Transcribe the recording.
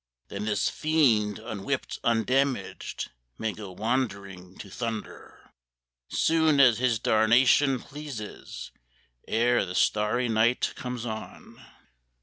Then this fiend, unwhipped, undamaged, May go wanderin' to thunder, Soon as he darnation pleases, Ere the starry night comes on."